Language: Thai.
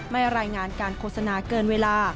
รายงานการโฆษณาเกินเวลา